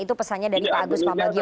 itu pesannya dari pak agus pambagio